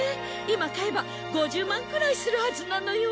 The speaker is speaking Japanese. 今買えば５０万くらいするはずなのよ。